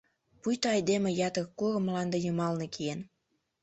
Пуйто айдеме ятыр курым мланде йымалне киен.